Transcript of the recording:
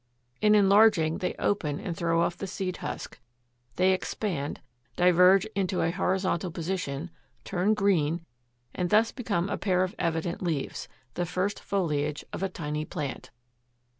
In enlarging they open and throw off the seed husk; they expand, diverge into a horizontal position, turn green, and thus become a pair of evident leaves, the first foliage of a tiny plant.